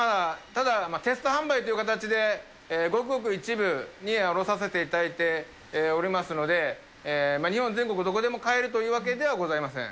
ただ、テスト販売という形で、ごくごく一部に卸させていただいておりますので、日本全国どこでも買えるというわけではございません。